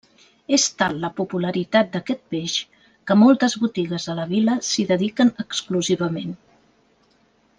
És tal la popularitat d'aquest peix que moltes botigues de la vila s'hi dediquen exclusivament.